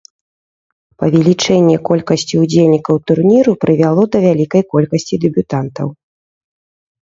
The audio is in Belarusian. Павелічэнне колькасці ўдзельнікаў турніру прывяло да вялікай колькасці дэбютантаў.